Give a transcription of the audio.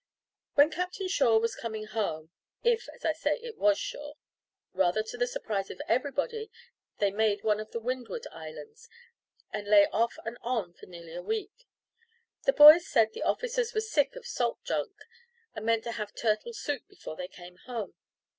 When Captain Shaw was coming home if, as I say, it was Shaw rather to the surprise of everybody they made one of the Windward Islands, and lay off and on for nearly a week. The boys said the officers were sick of salt junk, and meant to have turtle soup before they came home.